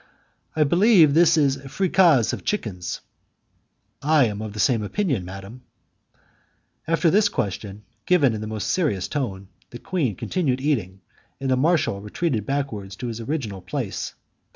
"I believe this is a fricassee of chickens." "I am of the same opinion, madam." After this answer, given in the most serious tone, the queen continued eating, and the marshal retreated backward to his original place.